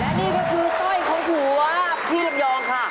และนี่ก็คือสร้อยของหัวพี่ลำยองค่ะ